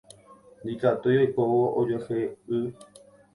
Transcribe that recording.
Ndikatúi oikóvo ojuehe'ỹ.